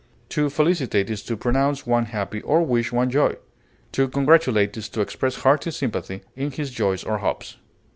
To felicitate is to pronounce one happy or wish one joy; to congratulate is to express hearty sympathy in his joys or hopes.